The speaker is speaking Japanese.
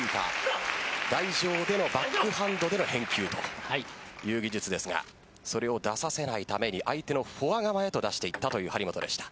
台上でのバックハンドでの返球という技術ですがそれを出させないために相手のフォア側へと出していったという張本でした。